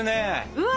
うわ！